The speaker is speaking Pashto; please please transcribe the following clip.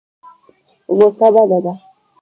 غوسه بده ده.